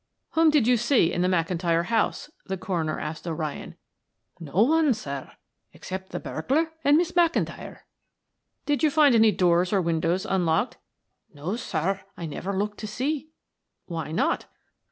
"Whom did you see in the McIntyre house?" the coroner asked O'Ryan. "No one sir, except the burglar and Miss McIntyre." "Did you find any doors or windows unlocked?" "No, sir; I never looked to see." "Why not?"